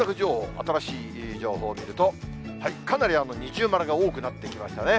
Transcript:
新しい情報見ると、かなり二重丸が多くなってきましたね。